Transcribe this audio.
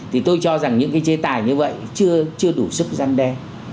thì tôi cho rằng những cái chế tài như vậy chưa đủ sức gian đe